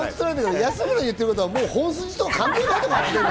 安村の言ってることは本筋とは関係ないから。